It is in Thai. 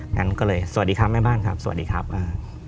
งั้นก็เลยสวัสดีครับแม่บ้านครับสวัสดีครับอ่า